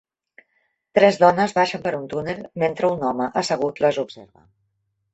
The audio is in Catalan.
Tres dones baixen per un túnel mentre un home assegut les observa.